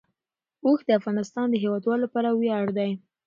اوښ د افغانستان د هیوادوالو لپاره ویاړ دی.